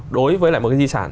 đối với lại một cái di sản